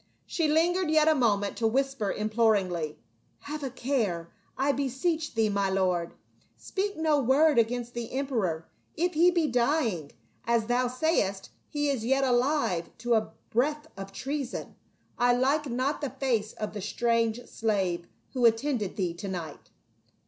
She lingered yet a moment to whisper imploringly, " Have a care, I beseech thee, my lord ; speak no word against the emperor ; if he be dying, as thou sayest, he is yet alive to a breath of treason. I like not the face of the strange slave, who attended thee to night."